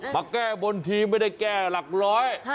มาแก้บนทีไม่ได้แก้หลักร้อย